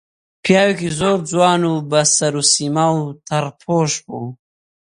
پیاوێکی زۆر جوان و بە سەروسیما و تەڕپۆش بوو